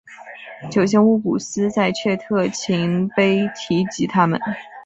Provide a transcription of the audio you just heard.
九姓乌古斯在阙特勤碑提及他们。